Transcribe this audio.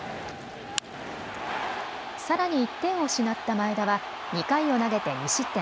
さらに１点を失った前田は２回を投げて２失点。